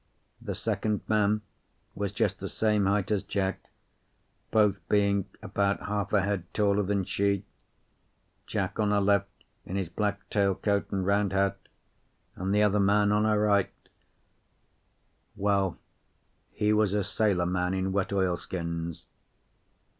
The second man was just the same height as Jack, both being about a half a head taller than she; Jack on her left in his black tail coat and round hat, and the other man on her right well, he was a sailor man in wet oilskins.